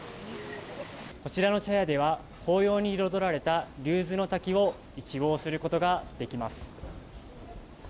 こちらの茶屋では紅葉に彩られた竜頭ノ滝を一望することができます。